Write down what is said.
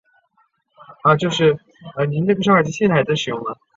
不少韩国电影界人士质疑检控是出于政治报复。